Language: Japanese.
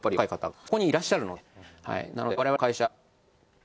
そこにいらっしゃるので。